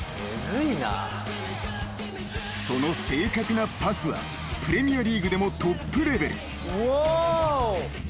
［その正確なパスはプレミアリーグでもトップレベル］